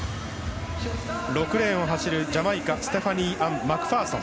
６レーンを走るジャマイカステファニー・アン・マクファーソン。